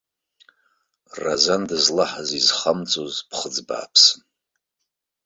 Разан дызлаҳаз изхамҵоз ԥхыӡ бааԥсын.